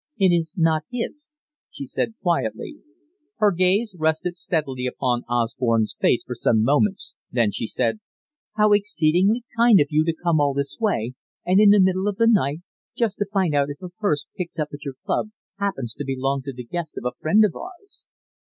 "It is not his," she said quietly. Her gaze rested steadily upon Osborne's face for some moments, then she said: "How exceedingly kind of you to come all this way, and in the middle of the night, just to find out if a purse picked up at your club happens to belong to the guest of a friend of yours."